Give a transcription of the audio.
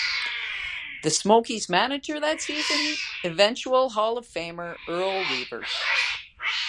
The Smokies' manager that season: eventual Hall of Famer Earl Weaver.